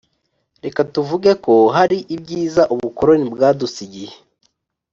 reka tuvuge ko hari ibyiza ubukoroni bwadusigiye.